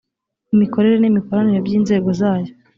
imikorere n imikoranire by inzego zayo